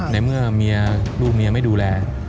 ในเมื่อลูกเมียไม่ดูแล